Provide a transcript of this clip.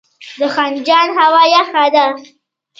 د خنجان هوا یخه ده